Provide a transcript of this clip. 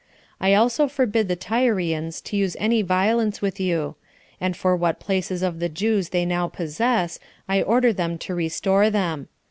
I also forbid the Tyrians to use any violence with you; and for what places of the Jews they now possess, I order them to restore them.